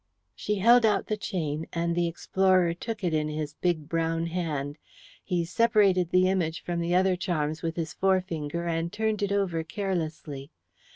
She held out the chain, and the explorer took it in his big brown hand. He separated the image from the other charms with his forefinger, and turned it over carelessly.